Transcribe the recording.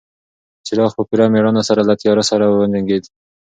څراغ په پوره مېړانه سره له تیارې سره وجنګېد.